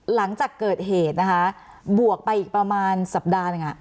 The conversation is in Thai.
หลังจากเกิดเหตุบวกไปอีกประมาณสัปดาห์